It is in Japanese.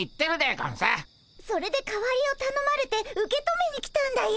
それで代わりをたのまれて受け止めに来たんだよ。